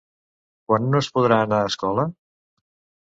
Quan no es podrà anar a escola?